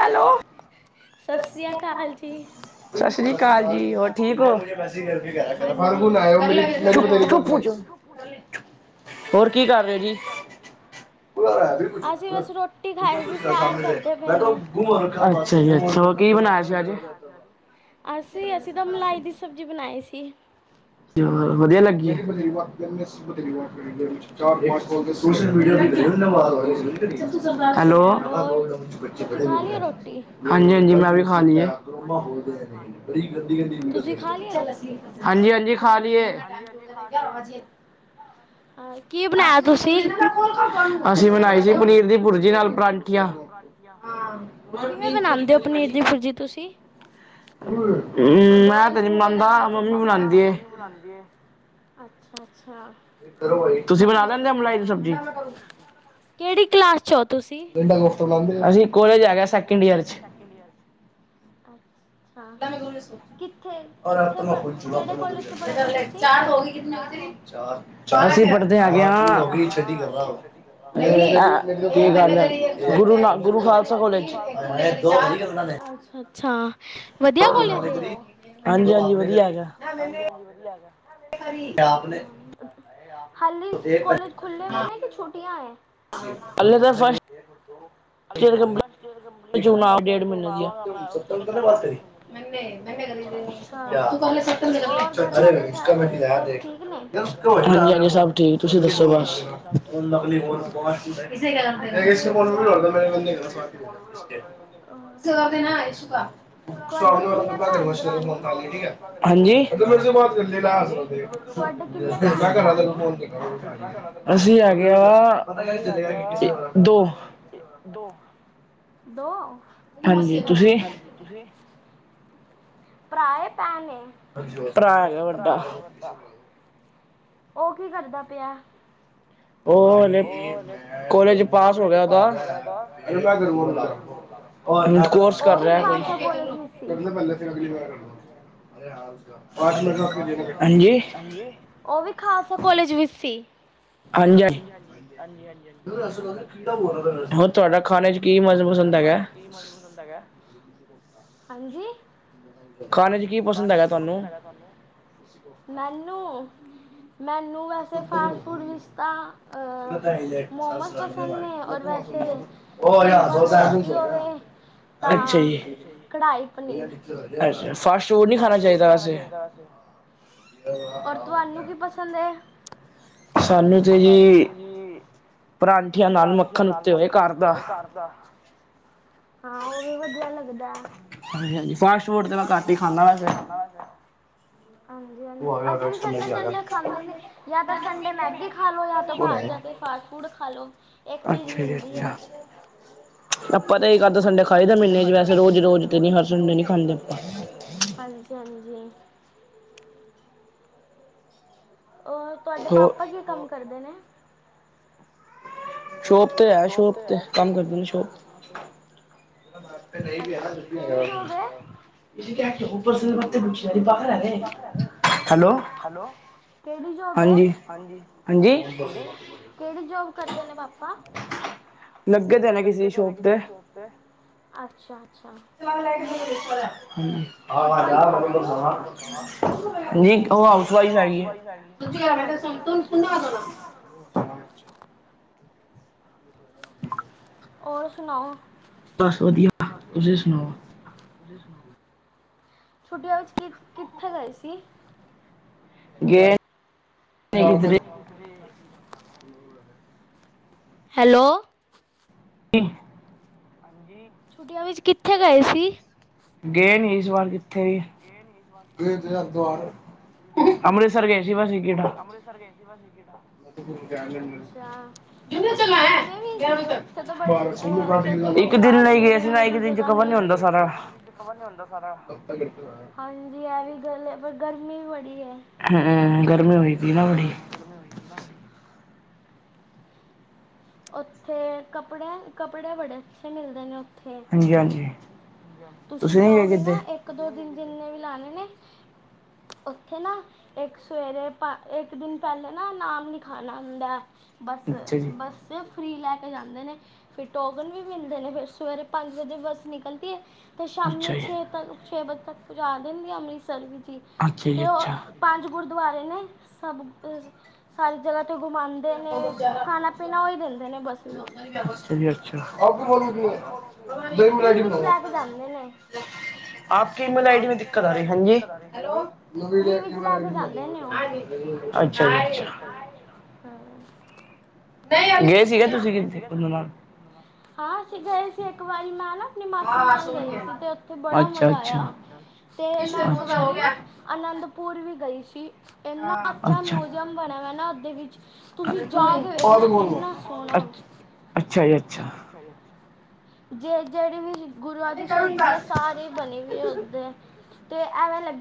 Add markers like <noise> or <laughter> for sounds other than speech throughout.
Hello, ਸਤਿ ਸ਼੍ਰੀ ਅਕਾਲ। ਸਤਿ ਸ਼੍ਰੀ ਅਕਾਲ ਜੀ, ਹੋਰ ਠੀਕ ਹੋ? ਕੱਲ੍ਹ, ਹੋਰ ਕੀ ਕਰ ਰਹੇ ਹੋ ਜੀ? <unintelligible> ਅੱਛਾ ਜੀ, ਅੱਛਾ, ਉਹ ਕੀ ਬਣਾਇਆ ਸੀ ਅੱਜ। ਅਸੀਂ, ਅਸੀਂ, ਤਾਂ ਮਲਾਈ ਦੀ ਸਬਜ਼ੀ ਬਣਾਈ ਸੀ। <unintelligible> ਵਧੀਆ ਲੱਗੀ। <unintelligible> ਹੈਲੋ, ਹਾਂਜੀ-ਹਾਂਜੀ, ਮੈਂ ਵੀ ਖਾ ਲਈ ਹੈ ਹਾਂਜੀ-ਹਾਂਜੀ। ਖਾ ਲਈਏ। ਅਸੀਂ ਬਨਾਈ ਸੀ ਪਨੀਰ ਦੀ ਬੁਰਜੀ ਨਾਲ ਪਰਾਂਠੀਆਂ ਕਿਵੇਂ ਬਣਾਉਂਦੇ ਹੋ ਪਨੀਰ ਦੀ ਭੁਰਜੀ ਤੁਸੀਂ, ਮੈਂ ਤੇ ਨੀ ਮੰਨਦਾ ਮੰਮੀ ਮਨਾਉਂਦੀ ਏ। ਬਣਾਉਂਦੀ ਏ, ਅੱਛਾ-ਅੱਛਾ, ਤੁਸੀਂ ਬਣਾ ਲੈਂਦੇ ਓ ਮਲਾਈ ਦੀ ਸਬਜ਼ੀ ਕਿਹੜੀ ਕਲਾਸ ਚ ਓ? ਅਸੀਂ ਕੋਲੇਜ ਹੈਗਾ ਸੈਕਿੰਡ ਈਅਰ ਚ ਇੰਡੀਆ ਚ <unintelligible> <unintelligible> ਅਸੀਂ ਪੜ੍ਹਦੇ ਹੈਗੇ ਹਾਂ, ਅ ਕੀ ਗੱਲ ਹੈ ਗੁਰੂ, ਗੁਰੂ ਖਾਲਸਾ ਕਾਲਜ। ਅੱਛਾ, ਵਧੀਆ ਕਾਲਜ ਹੈ ਉਹ? ਆਪ ਨੇ ਹਾਲੇ ਕਾਲਜ ਖੁੱਲੇ ਹੋਏ ਨੇ ਕਿ ਛੁੱਟੀਆਂ ਹੈ? ਹਲੇ ਤਾਂ ਫਸਟ, ਹਲੇ ਤਾਂ ਫਸ ਜੂਨ ਆ ਡੇਢ ਮਹੀਨੇ ਦੀ ਆ, <unintelligible> ਹਾਂਜੀ-ਹਾਂਜੀ, ਸਭ ਠੀਕ ਤੁਸੀਂ ਦੱਸੋ ਬਸ ਇਸ ਫੋਨ ਮੈਂ ਨਹੀਂ ਹੋਤਾ ਨਵੇ, <unintelligible> ਹਾਂਜੀ, ਅਸੀਂ ਹੇਗੇ ਆ ਪਤਾ ਕਿਸੇ ਚਲੇਗਾ ਕੇ ਕੈਸੇ ਹੋਣਾ ਦੋ, ਦੋ, ਦੋ ਹਾਂ, ਭਰਾ ਏ ਭੈਣ ਏ, ਭਰਾ ਹੈਗਾ ਵੱਡਾ। <unintelligible> ਉਹ ਕੀ ਕਰਦਾ ਪਿਆ? ਉਹ ਹਲੇ <unintelligible> ਕਾਲਜ ਪਾਸ ਹੋ ਗਿਆ ਓਹਦਾ, ਕੋਰਸ ਕਰ ਰਿਹਾ ਕੋਈ ਹਾਂਜੀ ਉਹ ਵੀ ਖਾਲਸਾ ਕੋਲਜ ਵਿੱਚ ਸੀ? ਹਾਂਜੀ-ਹਾਂਜੀ, ਹਾਂਜੀ ਹਾਂਜੀ ਹਾਂਜੀ ਹੋਰ ਤੁਹਾਡਾ ਖਾਣੇ ਚ ਕੀ ਮਨ ਪਸੰਦ ਹੈਗਾ? ਹਾਂਜੀ ਖਾਣੇ ਚ ਕੀ ਪਸੰਦ ਹੈਗਾ ਤੁਹਾਨੂੰ? ਹੈਲੋ ਮੈਨੂੰ ਮੈਨੂੰ ਵੈਸੇ ਫਾਸਟ ਫੂਡ ਵਿੱਚ ਤਾਂ, ਅ ਮੋਮੋਸ ਪਸੰਦ ਨੇ ਔਰ ਵੈਸੇ ਸਿੰਪਲ ਰੋਟੀ ਹੋਵੇ। ਤਾਂ, ਕੜਾਈ ਪਨੀਰ, ਫਾਸਟ ਫੂਡ ਨਹੀ ਖਾਣਾ ਚਾਹੀਦਾ <inaudible> ਔਰ ਤੁਹਾਨੂੰ ਕੀ ਪਸੰਦ ਹੈ? ਸਾਨੂੰ ਤੇ ਜੀ ਪਰਾਂਠੀਆਂ ਨਾਲ ਮੱਖਣ ਉੱਤੇ ਹੋਏ ਘਰ ਦਾ। ਹਾਂ ਉਹ ਵੀ ਵਧੀਆ ਲੱਗਦਾ। ਫਾਸਟ ਫੂਟ ਤੇ ਮੈਂ ਘੱਟ ਹੀ ਖਾਂਦਾ ਵੈਸੇ। ਹਾਂਜੀ-ਹਾਂਜੀ ਅਸੀਂ ਵੀ ਸੰਡੇ-ਸੰਡੇ ਜਾਂ ਤਾਂ ਸੰਡੇ ਮੈਗੀ ਖਾ ਲੋੋ ਜਾਂ ਤਾਂ ਬਾਹਰ ਜਾ ਕੇ ਫਾਸਟ ਫੂਡ ਖਾ ਲੋ। ਇੱਕ ਚੀਜ਼ ਮਿਲਦੀ ਹੈ। ਆਪਾਂ ਤਾਂ ਇਹ ਕਰਦਾ ਸੰਡੇ ਖਾਈ ਦੇ ਮਹੀਨੇ ਚ ਵੈਸੇ ਰੋਜ਼-ਰੋਜ਼ ਤੇ ਨੀ ਹਰ ਸੰਡੇ ਨੀ ਖਾਂਦੇ ਆਪਾਂ। ਹਾਂਜੀ-ਹਾਂਜੀ। ਔਰ ਤੁਹਾਡੇ ਪਾਪਾ ਕੀ ਕੰਮ ਕਰਦੇ ਨੇ? ਸ਼ੋਪ ਤੇ ਹੈ ਸ਼ੋਪ ਤੇ ਕੰਮ ਕਰਦੇ ਨੇ ਸ਼ੋਪ। ਨਹੀਂ ਵੀ ਐ ਨਾ <unintelligible> ਹੈਲੋ ਕਿਹੜੀ ਜੋਬ ਹੈ? ਹਾਂਜੀ, ਹਾਂਜੀ ਕਿਹੜੀ ਜੋਬ ਕਰਦੇ ਨੇ ਪਾਪਾ? ਲੱਗੇ ਦੇ ਨੇ ਕਿਸੇ ਸ਼ੋਪ ਤੇ। ਅੱਛਾ-ਅੱਛਾ। ਹਾਂਜੀ ਹਾਂਜੀ ਉਹ ਹਾਊਸ ਵਾਈਫ ਹੈਗੀ ਹੈ। ਤੂੰ ਤੁਝ ਗਾਣੇ ਕੋ ਸੁਨ ਕੇ ਇਤਨਾ ਹੋਰ ਸੁਣਾਓ, ਬਸ ਵਧੀਆ। ਤੁਸੀਂ ਸੁਣਾਓ। ਛੁੱਟੀਆਂ ਵਿੱਚ ਕੀ ਕਿੱਥੇ ਗਏ ਸੀ? ਗਏ ਨਹੀ ਕਿਧਰੇ। ਹੈਲੋ। <unintelligible> ਹਾਂਜੀ, ਛੁੱਟੀਆਂ ਵਿੱਚ ਕਿੱਥੇ ਗਏ ਸੀ? ਗਏ ਨੀ ਇਸ ਵਾਰ ਕਿ ਕਿਤੇ। ਅੰਮ੍ਰਿਤਸਰ ਗਏ ਸੀ ਬਸ ਇਕ ਗੇੜਾ। ਅੰਮ੍ਰਿਤਸਰ ਗਏ ਸੀ ਬਸ ਇਕ ਗੇੜਾ। ਅੱਛਾ ਉੱਥੇ ਘੁੰਮੇ ਵੀ ਸੀ ਉੱਥੇ ਤਾਂ ਬੜੇ ਅੱਛੇ-ਅੱਛੇ ਗੁਰਦੁਆਰੇ ਨੇ ਘੁੰਮਨੇ ਦੀ ਜਗ੍ਹਾ ਨੇ। ਕਵਰ ਨਹੀਂ ਹੁੰਦਾ ਸਾਰਾ। <unintelligible> ਹਾਂਜੀ ਇਹ ਵੀ ਗੱਲ ਏ ਪਰ ਗਰਮੀ ਵੀ ਬੜੀ ਹੈ। ਹੁੰ, ਗਰਮੀਂ ਹੋਈ ਪਈ ਨਾ ਬੜੀ। ਮੈਂ ਹੋਲੀ ਪੀਲਾਂ ਹੋਲੀ ਉੱਥੇ ਕੱਪੜੇ, ਕੱਪੜੇ ਬੜੇ ਅੱਛੇ ਮਿਲਦੇ ਨੇ ਉ ਥੇ, ਤੁਸੀਂ ਜਾਓਗੇ ਨਾ ਇੱਕ ਇੱਕ ਦੋ ਦਿਨ ਜਿੰਨੇ ਵੀ ਲਾਣੇ ਨੇ, ਉੱਥੇ ਨਾ ਇੱਕ ਸਵੇਰੇ, ਇੱਕ ਦਿਨ ਪਹਿਲੇ ਨਾ ਨਾਮ ਲਿਖਾਉਣਾ ਹੁੰਦਾ। ਬੱਸ, ਬੱਸ ਫਰੀ ਲੈ ਕੇ ਜਾਂਦੇ ਨੇ। ਫਿਰ ਟੋਕਨ ਵੀ ਮਿਲਦੇ ਨੇ ਫਿਰ ਸਵੇਰੇ ਪੰਜ ਵਜੇ ਬੱਸ ਨਿਕਲਦੀ ਐ। ਤੇ ਸ਼ਾਮੀ ਛੇ ਤ ਛੇ ਵਜੇ ਤੱਕ ਪੁਜਾ ਦਿੰਦੀ ਆ, ਅੰਮ੍ਰਿਤਸਰ ਵਿੱਚ ਹੀ ਅਤੇ ਉਹ ਪੰਜ, ਗੁਰਦੁਆਰੇ ਨੇ ਸਭ ਸਾਰੀ ਜਗ੍ਹਾ ਤੇ ਘੁਮਾਉਂਦੇ ਨੇ, ਖਾਣਾ ਪੀਣਾ ਉਹ ਦਿੰਦੇ ਨੇ ਬੱਸ ਵਿੱਚ, ਫ੍ਰੀ ਵਿੱਚ ਲੈ ਕੇ ਜਾਂਦੇ ਨੇ। <unintelligible> ਆਪ ਈ ਮੇਲ ਆਈ ਡੀ ਮ ਦਿੱਕਤ ਆ ਰਹੀ ਹਾਂਜੀਈ ਡ। <unintelligible> ਅੱਛਾ ਜੀ ਅੱਛਾ। ਹਾਂ। ਏ ਸੀ ਹਾਂ, ਅਸੀਂ ਗਏ ਸੀ ਇੱਕ ਵਾਰੀ ਮੈਂ ਨਾ ਆਪਣੀ ਮਾਸੀ ਨਾਲ ਗਈ ਸੀ ਤੇ ਉੱਥੇ ਬੜਾ ਮਜ਼ਾ ਆਇਆ ਤੇ ਮੈਂ ਇੱਕ ਵਾਰੀ ਨਾ ਅਨੰਦਪੁਰ ਵੀ ਗਈ ਸੀ ਇੰਨਾ ਅੱਛਾ, ਮਿਊਜ਼ੀਅਮ ਬਣਿਆ ਵੈ ਨਾ ਉਹਦੇ ਵਿੱਚ। ਤੁਸੀਂ ਜਾ ਕੇ ਵੇਖਣਾ ਇਨਾ ਸੋਹਣਾ। ਜੇ ਜਹੜੀ ਵੀ ਗੁਰੂਆਂ ਦੀ ਸ਼ਹੀਦੀ ਹੈ, ਸਾਰੇ ਬਣੀ ਵੀ ਉਥੇ। ਤੇ ਐਵੇਂ ਲ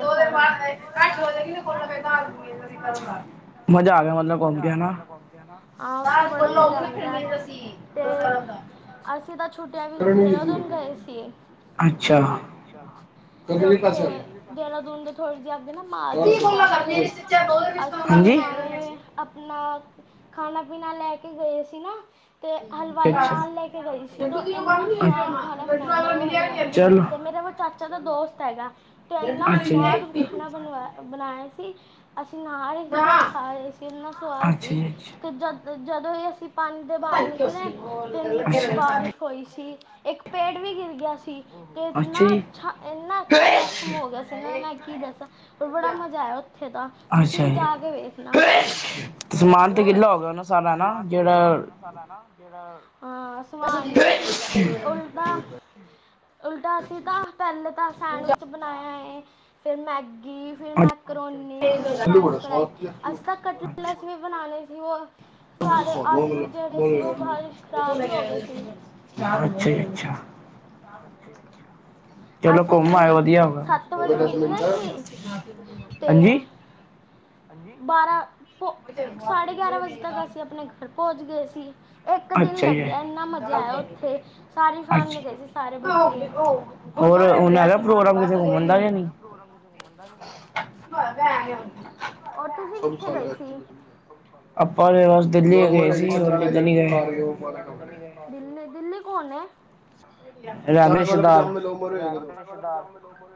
ਦੋ ਦਿਨ ਘੱਟ ਹੋ ਕੋਸੀਂ ਕਰ ਲ <unintelligible> <unintelligible> ਮਜ਼ਾ ਆ ਗਿਆ, ਮਤਲਬ ਘੁੰਮ ਕੇ ਨਾ। ਅਸੀਂ ਤਾਂ ਛੁੱਟੀਆਂ ਵਿੱਚ ਦੇਹਰਾਦੁਨ ਗਏ ਸੀ। ਅੱਛਾ। ਤੇ ਉੱਥੇ, ਦੇਹਰਾਦੂਨ ਦੇ ਥੋੜ੍ਹੀ ਜਿਹੀ ਆਗੇ ਨਾ ਮਾਲ ਦੇ ਦਿੱਤਾ ਉੱਥੇ ਅਸੀਂ ਨਾਏ। ਆਪਣਾ ਖਾਣਾ, ਪੀਣਾ ਲੈ ਕੇ ਗਏ ਸੀ ਨਾ ਤੇ ਹਲਵਾਈ ਨਾਲ ਲੈ ਕੇ ਗਈ ਸੀ ਤੋ ਇੰਨਾ ਸਵਾਦ ਖਾਣਾ ਬਣਾਉਂਦਾ ਵ ਹਲਵਾਈ ਤੇ ਮੇਰਾ ਵ ਚਾਚਾ ਦਾ ਦੋਸਤ ਹੈਗਾ ਤੇ ਇੰਨਾ ਸਵਾਦ ਖਾਣਾ ਬਣਵਾ ਬਣਾਇਆ ਸੀ। ਅਸੀਂ ਨਹਾ ਰਹੇ ਸੀ ਤੇ ਖਾ ਰਹੇ ਸੀ ਇੰਨਾ ਸਵਾਦ ਸੀ ਤੇ ਜਦ ਜਦੋਂ ਵੀ ਅਸੀਂ ਪਾਣੀ ਦੇ ਬਾਹਰ ਨਿਕਲੇ ਤੇ ਇੰਨੀ ਤੇਜ਼ ਬਾਰਿਸ਼ ਹੋਈ ਸੀ ਇੱਕ ਪੇੜ ਵੀ ਗਿਰ ਗਿਆ ਸੀ। ਤੇ ਇਨਾ ਅੱਛਾ, ਇੰਨਾ ਅੱਛਾ ਮੌਸਮ ਹੋ ਗਿਆ ਸੀ ਨਾਂ ਮੈਂ ਕੀ ਦੱਸਾਂ। ਬੜਾ ਮਜ਼ਾ ਆਇਆ ਉੱਥੇ ਤਾ ਤੁਸੀਂ ਵੀ ਜਾ ਕੇ ਵੇਖਣਾ। ਸਮਾਨ ਤੇ ਗਿੱਲਾ ਹੋ ਗਿਆ ਨਾ ਸਾਰਾ ਨਾ ਜਿਹੜ ਹਾਂ, ਸਮਾਨ ਈ ਉਲਟਾ। ਉਲਟਾ ਅਸੀ ਤਾਂ ਪਹਿਲੇ ਤਾਂ ਸੈਂਡਵਿਚ ਬਣਾਇਆ ਏ ਫੇਰ ਮੈਗੀ। ਫਿਰ ਮੈਕ੍ਰੋਨੀ, ਫ ਫਰੈਂਚ ਫਰਾਈ ਅੱਸੀਂ ਤੱਕ ਕਟ ਲਸ ਵੀ ਬਣਾਣੀ ਸੀ ਉਹ ਸਾਰੇ ਆਲੂ ਜਿਹੜੇ ਸੀ ਉਹ ਬਰ ਅੱਛਾ, ਅੱਛਾ। ਅਸੀਂ ਫਿਰ ਸੱਤ ਵਜੇ ਨਿਕਲੇ ਸੀ। ਤੇ। ਬਾਰਾਂ, ਸਾਢੇ ਗਿਆਰਾਂ ਵਜੇ ਤੱਕ ਅਸੀਂ ਆਪਣੇ ਘਰ ਪਹੁੰਚ ਗਏ ਸੀ। ਇੱਕ ਦਿਨ ਲੱਗਿਆ ਇੰਨਾ ਮਜ਼ਾ ਆਇਆ ਉੱਥੇ ਸਾਰੀ ਫੈਮਿਲੀ ਗਈ ਸੀ ਸਾਰੇ ਬੱਚੇ। ਹੋਰ ਹੁਣ ਹੇਗਾ ਪ੍ਰੋਗਰਾਮ ਕਿਤੇ ਘੁੰਮਣ ਦਾ ਯਾ ਨਹੀਂ? ਸਭ ਖਾ ਲ <unintelligible> ਆਪਾਂ ਤੇ ਬਸ ਦਿੱਲੀ ਗਏ ਸੀ ਦਿੱਲੀ, ਦਿੱਲੀ ਕੌਣ ਹੈ? ਰਮੇਸ਼ ਦਾ। ਦਾ <unintelligible> <unintelligible>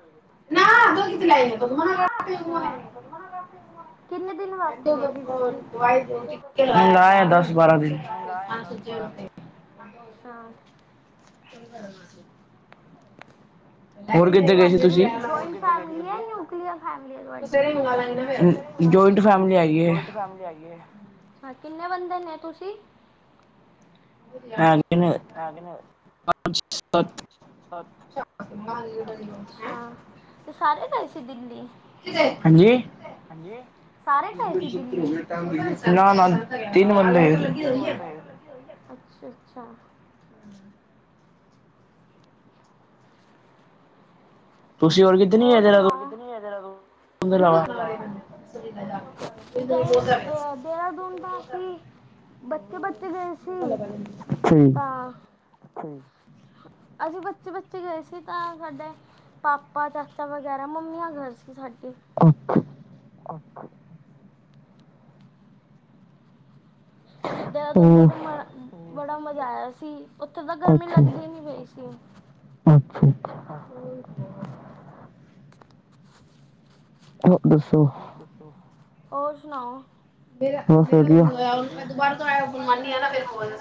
ਨਾ ਦੋ ਲ ਣਾ <unintelligible> ਕਿੰਨੇ ਦਿਨ ਵਾਸਤੇ ਗਏ ਸੀ ਤੁਸੀਂ? ਬਾਰਾ, ਅੱਛਾ। ਕਿ ਕਰਨਾ ਸੀ ਤੁਹਾਡੀ ਜਇੰਟ ਹੈ ਕਿੰਨੀ ਆ ਫੈਮਲੀ ਏ ਤੁਹਾਡੀ, ਜੋਂਇੰਟ ਫੈਮਿਲੀ ਹੈਗੀ ਐ। ਹਾਂ, ਕਿੰਨੇ ਬੰਦੇ ਨੇ ਤੁਸੀਂ ਹਾਂ <unintelligible> <unintelligible> ਪੰਜ ਸਤ ਸੱਤ ਅੱਛਾ, ਤੇ ਸਾਰੇ ਗਏ ਸੀ ਦਿੱਲੀ। ਸਾਰੇ ਗਏ ਸੀ? ਦਿੱਲੀ ਨਾ-ਨਾ ਤਿੰਨ ਬੰਦੇ ਅੱਛਾ-ਅੱਛਾ, ਹੋਰ ਸੁਣਾਓ? ਦਾ ਅਹ ਦੇਹਰਾਦੂਨ ਦਾ ਸੀ, ਬੱਚੇ ਬੱਚੇ ਗਏ ਸੀ ਤਾਂ ਹੂੰ, ਅਸੀਂ ਬੱਚੇ-ਬੱਚੇ ਗਏ ਸੀ ਤਾਂ ਸਾਡੇ ਪਾਪਾ, ਚਾਚਾ ਵਗੈਰਾ ਮੰਮੀਆਂ ਘਰ ਸੀ ਸਾਡੀੇ। ਅੱਖ ਅੱਛਾ ਦੇਹਰਾਦੂਨ ਤੇ ਮ ਬੜਾ ਮਜ਼ਾ ਆਇਆ ਸੀ। ਉੱਥੇ ਤਾਂ ਗਰਮੀ ਲੱਗਦੀ ਨੀ ਪਈ ਸੀ। ਹੋਰ ਦੱਸੋ? ਹੋਰ ਸੁਣਾਓ? ਬਹੁਤ ਵਧੀਆ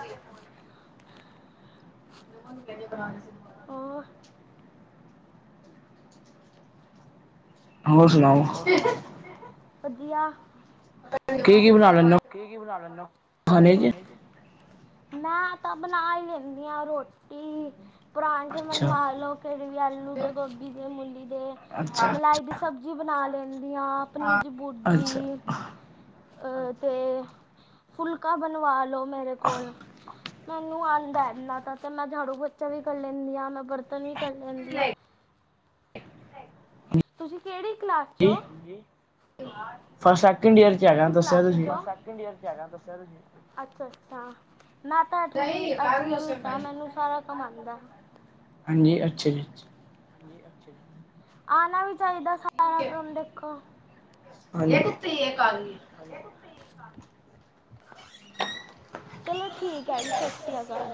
<unintelligible> <unintelligible> ਹੋਰ? ਹੋਰ ਸੁਣਾਓ? ਵਧੀਆ, ਕੀ-ਕੀ ਬਣਾ ਕੀ-ਕੀ ਬਣਾ ਲੈਂਦਾ <unintelligible> ਮੈਂ ਤਾਂ ਬਣਾ ਹੀ ਲੈਂਦੀ ਹਾਂ ਰੋਟੀ ਪਰਾਂਠੇ ਮੈਨੂ ਲਾ ਲਓ ਕਿ ਵੀ ਆਲੂ ਦੇ ਗੋਭੀ ਦੇ ਮੂਲੀ ਦੇ ਮਲਾਈ ਦੀ ਸਬਜ਼ੀ ਬਣਾ ਲੈਂਦੀ ਹਾਂ, ਪਨੀਰ ਭੁਜੀ ਅਹ ਤੇ ਫੁਲਕਾ ਬਣਵਾ ਲੋ। ਮੇਰੇ ਕੋਲ ਮੈਨੂੰ ਆਦਾ ਇੰਨਾ ਤ ਤੇ ਮੈਂ ਝਾੜੂ ਪੋਚਾ ਵੀ ਕਰ ਲੈਂਦੀ ਹਾਂ, ਮੈਂ ਬਰਤਨ ਵੀ ਕਰ ਲੈਂਦੀ ਆ ਇੱਕ <unintelligible> ਤੁਸੀਂ ਕਿਹੜੀ ਕਲਾਸ ਚੋਂ ਔ? ਫਸ ਸੈਕਿੰਡ ਈਅਰ ਚ ਹੈਗਾ, ਦੱਸਿਆ ਤਾ ਸੀਂ। ਅੱਛਾ-ਅੱਛਾ, ਮੈਂ ਅੱਠਵੀ-ਅੱਠਵੀਂ ਆ ਮੈਨੂੰ ਸਾਰਾ ਕਮ ਆਦਾ ਐ। ਹਾਂਜੀ, ਅੱਛਾ ਜੀ। ਆਣਾ ਵੀ ਚਾਹੀਦਾ ਸਾਰਾ ਕੰਮ ਦੇਖੋ ਹਾਂਜੀ <unintelligible> <unintelligible> ਚਲੋ ਠੀਕ ਹੈ ਜੀ, ਸਤਿ ਸ੍ਰੀ ਅਕਾਲ।